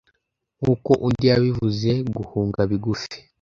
nkuko undi yabivuze guhunga bigufi